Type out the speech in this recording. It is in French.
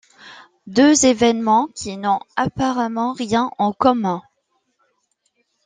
Deux événements qui n'ont apparemment rien en commun.